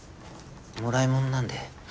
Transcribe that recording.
もらいものなんで。